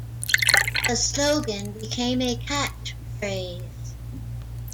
The slogan became a catch phrase.